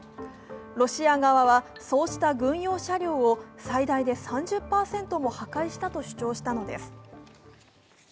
ロシア側は、そうした軍用車両を最大で３０％も破壊したと主張したのです。